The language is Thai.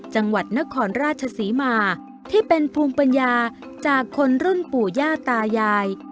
จังหวัดนครราชศรีมาที่เป็นภูมิปัญญาจากคนรุ่นปู่ย่าตายาย